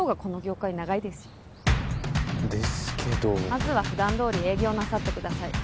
まずはふだんどおり営業なさってください。